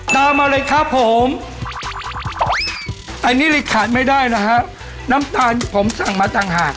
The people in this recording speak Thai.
มาเลยครับผมอันนี้เลยขาดไม่ได้นะฮะน้ำตาลผมสั่งมาต่างหาก